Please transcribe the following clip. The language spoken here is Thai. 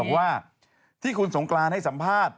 ว่าที่คุณสงกรานให้สัมภาษณ์